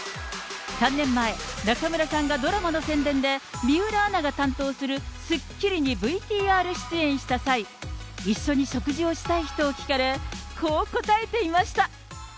３年前、中村さんがドラマの宣伝で、水卜アナが担当するスッキリにＶＴＲ出演した際、一緒に食事をしたい人を聞かれ、こう答えていました。